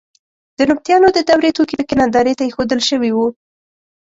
د نبطیانو د دورې توکي په کې نندارې ته اېښودل شوي وو.